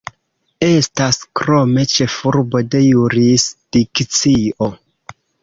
Estas krome ĉefurbo de jurisdikcio.